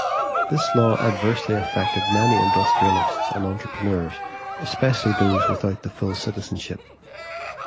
This law adversely affected many industrialists and entrepreneurs, especially those without the full citizenship.